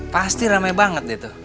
pasti rame banget deh tuh